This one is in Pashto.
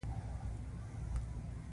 امیر بې غرضه هم نه وو.